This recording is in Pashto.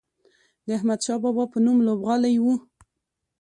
د احمدشاه بابا په نوم لوبغالی و.